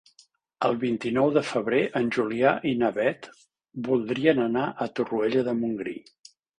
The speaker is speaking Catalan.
El vint-i-nou de febrer en Julià i na Beth voldrien anar a Torroella de Montgrí.